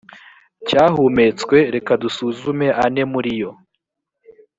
cyahumetswe reka dusuzume ane muri yo